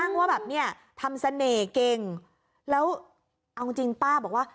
ว่าแบบเนี่ยทำเสน่ห์เก่งแล้วเอาจริงจริงป้าบอกว่า